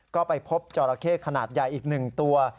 ก็ไปพบจราเข้ขนาดใหญ่อีก๑ตัว